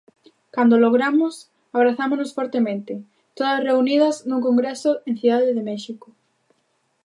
Cando o logramos, abrazámonos fortemente, todas reunidas nun congreso en Cidade de México.